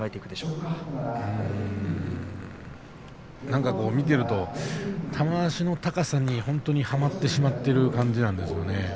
うーん何か見ていると玉鷲の高さに本当にはまってしまっている感じなんですよね。